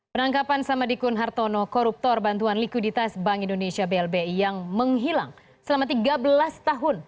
penangkapan samadikun hartono koruptor bantuan likuiditas bank indonesia blbi yang menghilang selama tiga belas tahun